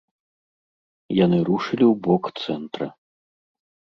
Яны рушылі ў бок цэнтра.